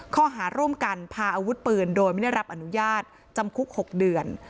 ข้อหาร่วมกันพาอาวุธปืนโดยไม่ได้รับอนุญาตจำคุก๖เดือน